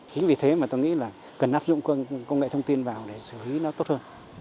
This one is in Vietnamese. chính vì thế mà tôi nghĩ là cần áp dụng công nghệ thông tin vào để xử lý nó tốt hơn